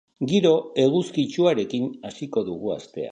Giro eguzkitsuarekin hasiko dugu astea.